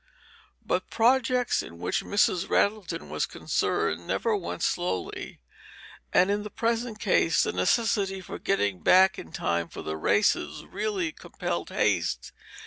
But projects in which Mrs. Rattleton was concerned never went slowly; and in the present case the necessity for getting back in time for the races really compelled haste.